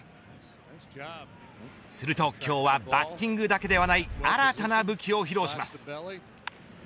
すると今日はバッティングだけではない新たな武器を披露します。